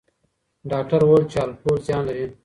ډاکټر وویل چې الکول زیان لري.